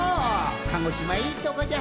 鹿児島いいとこじゃ。